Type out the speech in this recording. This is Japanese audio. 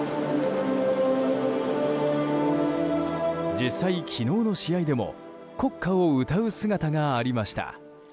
実際、昨日の試合でも国歌を歌う姿がありました。